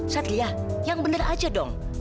satria yang bener aja dong